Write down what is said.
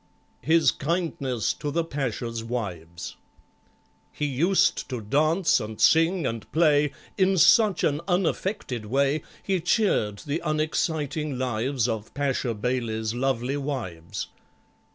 His Kindness to the Pasha's Wives He used to dance and sing and play In such an unaffected way, He cheered the unexciting lives Of PASHA BAILEY'S lovely wives.